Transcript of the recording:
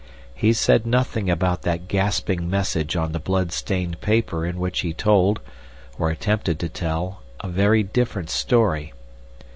He said nothing about that gasping message on the blood stained paper in which he told, or attempted to tell, a very different story.